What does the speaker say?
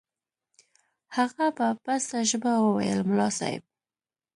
هغه په پسته ژبه وويل ملا صاحب.